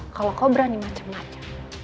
kalau kau berani macam macam